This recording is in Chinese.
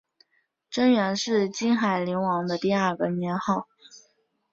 贞元是金海陵王的第二个年号。